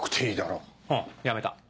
うんやめた。